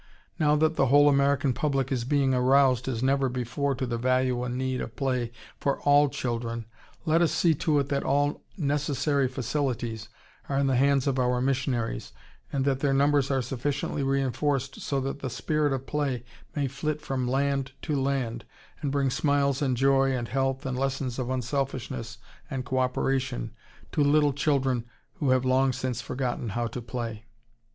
Now that the whole American public is being aroused as never before to the value and need of play for all children, let us see to it that all necessary facilities are in the hands of our missionaries, and that their numbers are sufficiently reinforced so that the "Spirit of Play" may flit from land to land and bring smiles and joy and health and lessons of unselfishness and co operation to little children who have long since forgotten how to play.